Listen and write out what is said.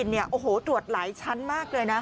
ขึ้นเครื่องบินเนี่ยโอ้โหตรวจหลายชั้นมากเลยนะ